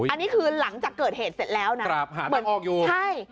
อันนี้คือหลังจากเกิดเหตุเสร็จแล้วนะเหมือนออกอยู่ใช่